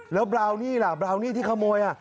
แล้วบราวนี่ล่ะบราวนี่ที่ขโมย